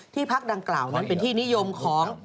พักดังกล่าวนั้นเป็นที่นิยมของ